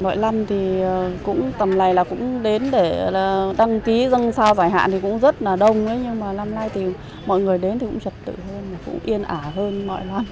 mọi năm tầm này cũng đến để đăng ký dân sao giải hạn thì cũng rất là đông nhưng mà năm nay thì mọi người đến thì cũng trật tự hơn cũng yên ả hơn mọi năm